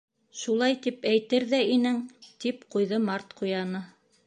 —Шулай тип әйтер ҙә инең, —тип ҡуйҙы Март Ҡуяны.